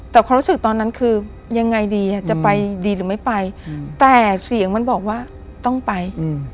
แต่ความรู้สึกตอนนั้นคือยังไงดีจะไปดีหรือไม่ไปแต่เสียงมันบอกว่าต้องไป